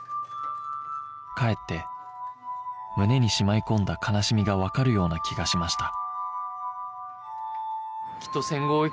かえって胸にしまい込んだ悲しみがわかるような気がしました